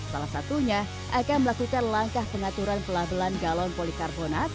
salah satunya akan melakukan langkah pengaturan pelabelan galon polikarbonat